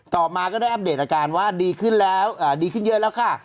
มาก็ได้อัปเดตอาการว่าดีขึ้นแล้วดีขึ้นเยอะแล้วค่ะ